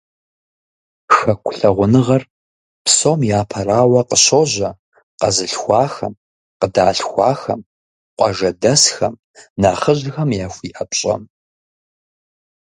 Хэку лъагъуныгъэр, псом япэрауэ, къыщожьэ къэзылъхуахэм, къыдалъхуахэм, къуажэдэсхэм, нэхъыжьхэм яхуиӏэ пщӏэм.